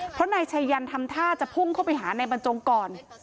เพราะนายชายันทำท่าจะพุ่งเข้าไปหานายบรรจงก่อน